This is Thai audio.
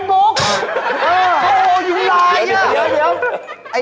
โอ้โหยุงไลน์